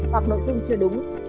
hoặc nội dung chưa đúng